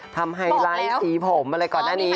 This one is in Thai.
ไฮไลท์สีผมอะไรก่อนหน้านี้